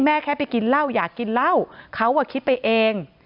แค่ไปกินเหล้าอยากกินเหล้าเขาคิดไปเอง